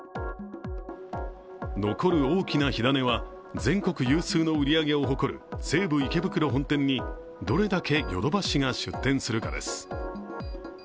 残る大きな火だねは、全国有数の売上を誇る西武池袋本店にどれだけヨドバシが出店するかです。